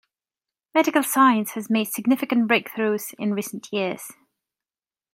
Medical Science has made significant breakthroughs in recent years.